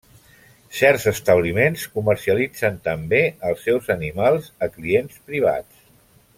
Certs establiments comercialitzen també els seus animals a clients privats.